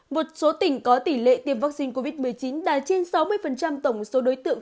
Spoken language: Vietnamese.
một số tỉnh có tỷ lệ tiêm vaccine covid một mươi chín đạt trên sáu mươi tổng số đối tượng